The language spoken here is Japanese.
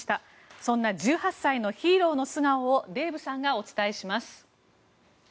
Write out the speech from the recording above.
そんな１８歳のヒーローの素顔をデーブさんがお伝えします。